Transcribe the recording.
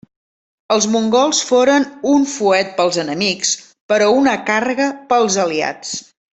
Els mongols foren un fuet pels enemics però una càrrega pels aliats.